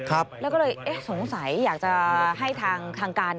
แล้วก็เลยสงสัยอยากจะให้ทางการ